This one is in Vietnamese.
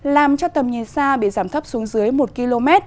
làm cho tầm nhìn xa bị giảm thấp xuống dưới một km